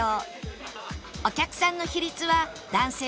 お客さんの比率は男性客が７割